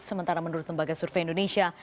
sementara menurut lembaga survei indonesia